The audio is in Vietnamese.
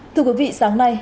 thưa quý vị sáng nay